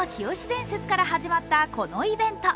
伝説から始まったこのイベント。